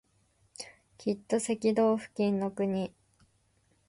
きっと赤道付近の国